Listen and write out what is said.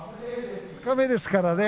二日目ですからね